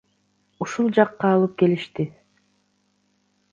Ушул жакка алып келишти.